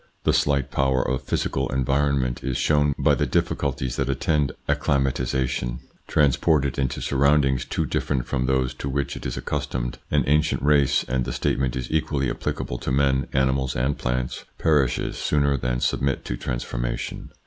The slight power of physical environment is shown by the difficulties that attend acclimatisation. Trans ported into surroundings too different from those to which it is accustomed, an ancient race and the statement is equally applicable to men, animals, and plants perishes sooner than submit to transformation.